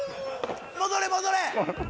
戻れ戻れ！